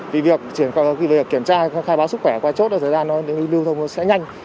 vì việc kiểm tra khai báo sức khỏe qua chốt là thời gian lưu thông sẽ nhanh